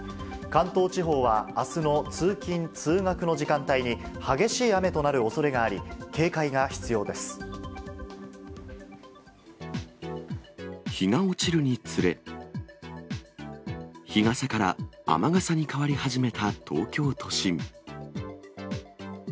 関東地方は、あすの通勤・通学の時間帯に激しい雨となるおそれがあり、日が落ちるにつれ、日傘から雨傘に変わり始めた東京都心。